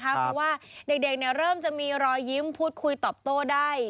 เพราะว่าเด็กเริ่มจะมีรอยยิ้มพูดคุยตอบโต้ได้